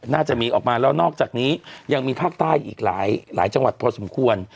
น่าจะมีออกมาแล้วนอกจากนี้ยังมีภาคใต้อีกหลายจังหวัดพอสมควร